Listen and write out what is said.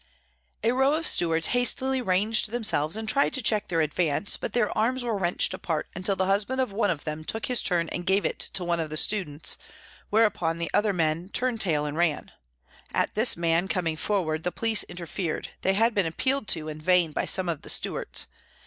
A row of stewards hastily ranged themselves and tried to check their advance, but their arms were wrenched apart, until the husband of one of them took his turn and gave it to one of the students, whereupon the other men turned tail and ran. At this man coming forward the police interfered, they had been appealed to in vain by some of the stewards.